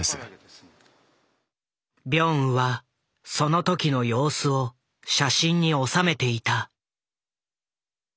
ビョンウはその時の様子を写真におさめていた。